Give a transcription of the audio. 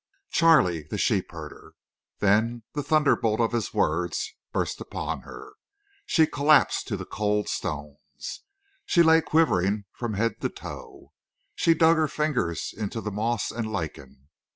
Charley, the sheep herder! Then the thunderbolt of his words burst upon her, and she collapsed to the cold stones. She lay quivering from head to toe. She dug her fingers into the moss and lichen.